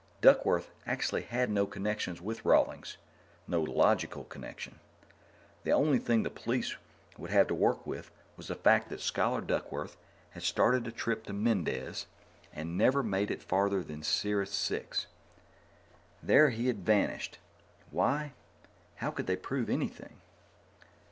Duckworth actually had no connection with Rawlings no logical connection. The only thing the police would have to work with was the fact that Scholar Duckworth had started on a trip to Mendez and never made it any farther than Sirius IV. There, he had vanished. Why? How could they prove anything?